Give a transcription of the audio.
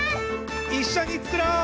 いっしょにつくろう！